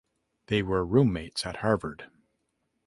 They were roommates at Harvard.